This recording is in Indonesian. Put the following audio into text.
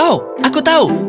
oh aku tahu